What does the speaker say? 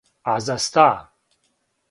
А за ста?